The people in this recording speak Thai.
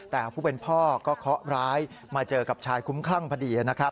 แต่ผู้เป็นพ่อก็เคาะร้ายมาเจอกับชายคุ้มคลั่งพอดีนะครับ